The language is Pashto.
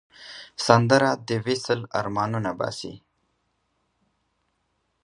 سندره د وصل آرمانونه باسي